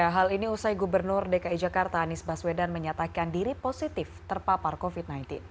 hal ini usai gubernur dki jakarta anies baswedan menyatakan diri positif terpapar covid sembilan belas